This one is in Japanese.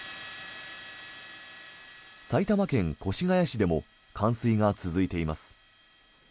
埼玉県越谷市でも冠水が続いています。